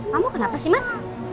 kamu kenapa sih mas